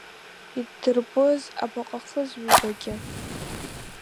Иддырбоз абаҟахыз, ҩбагьы…